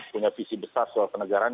punya visi besar soal kenegaraan